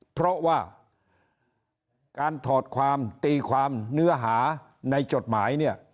เพราะว่าการถอดความตีความเนื้อหาในจดหมายเนี่ย